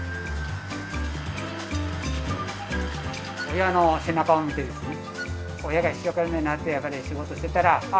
親の背中を見て親が一生懸命になって仕事してたらあっ